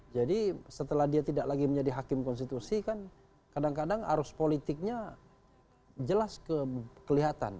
jadi setelah dia tidak lagi menjadi hakim konstitusi kan kadang kadang arus politiknya jelas kelihatan